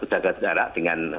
menjaga daerah dengan